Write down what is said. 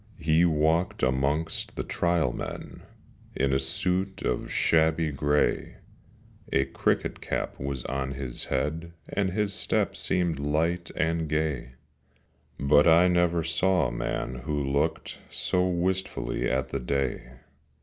He walked amongst the Trial Men In a suit of shabby grey; A cricket cap was on his head, And his step seemed light and gay; But I never saw a man who looked So wistfully at the day.